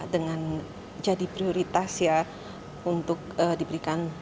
dengan jadi prioritas untuk diberikan vaksin